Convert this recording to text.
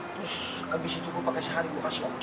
terus abis itu gue pake sehari gue kasih oki